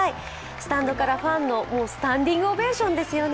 スタンドからファンのスタンディングオベーションですよね。